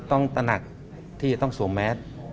ตระหนักที่จะต้องสวมแมส